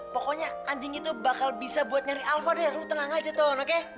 pokoknya anjing itu bakal bisa buat nyari alva ya lo tenang aja ton oke